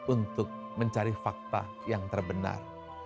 untuk mencari fakta yang terbenar